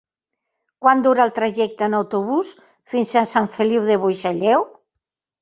Quant dura el trajecte en autobús fins a Sant Feliu de Buixalleu?